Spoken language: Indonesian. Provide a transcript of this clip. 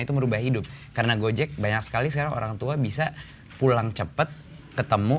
itu merubah hidup karena gojek banyak sekali sekarang orang tua bisa pulang cepat ketemu